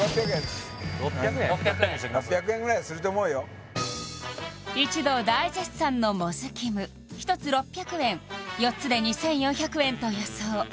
６００円ぐらいはすると思うよ一同大絶賛のもずキム１つ６００円４つで２４００円と予想